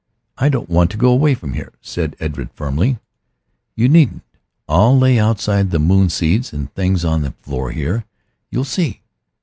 "I don't want to go away from here," said Edred firmly. "You needn't. I'll lay out the moon seeds and things on the floor here you'll see."